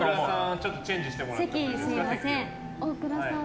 ちょっとチェンジしてもらって。